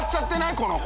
この子。